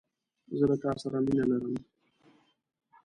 زه له تا سره مینه لرم